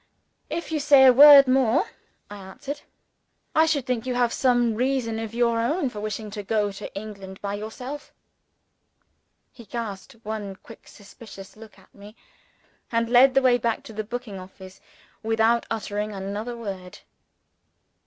"If you say a word more," I answered, "I shall think you have some reason of your own for wishing to go to England by yourself." He cast one quick suspicious look at me and led the way back to the booking office without uttering another word.